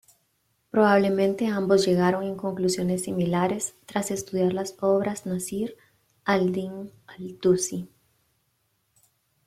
Probablemente ambos llegaron en conclusiones similares tras estudiar las obras Nasir al-Din al-Tusi.